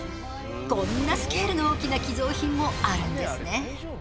こんなスケールの大きな寄贈品もあるんですね。